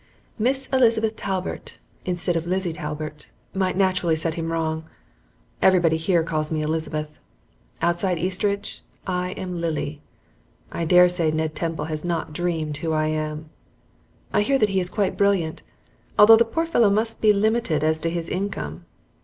Miss Elizabeth Talbert, instead of Lily Talbert, might naturally set him wrong. Everybody here calls me Elizabeth. Outside Eastridge I am Lily. I dare say Ned Temple has not dreamed who I am. I hear that he is quite brilliant, although the poor fellow must be limited as to his income.